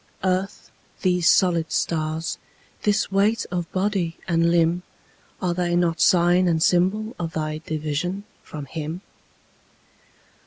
Earth, these solid stars, this weight of body and limb, Are they not sign and symbol of thy division from Him?